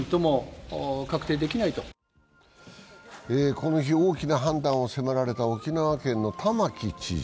この日、大きな判断を迫られた沖縄県の玉城知事。